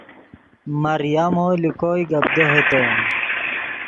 مریمو لے کوئے گپ دیہے تے